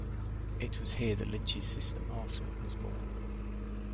It was here that Lynch's sister Martha was born.